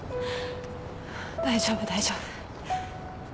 大丈夫大丈夫。